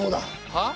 はあ？